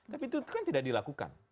tapi itu kan tidak dilakukan